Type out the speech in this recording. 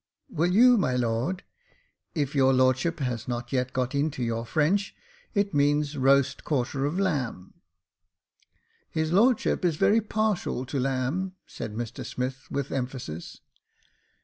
Will you, my lord .'' If your lordship has not yet got into your French — it means roast quarter of lamb." " His lordship is very partial to lamb," said Mr Smith, with emphasis.